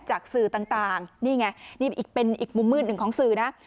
จากสื่อต่างนี่ไงนี่เป็นอีกมุมมืดหนึ่งของสื่อนะ